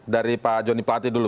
dari pak joni plati dulu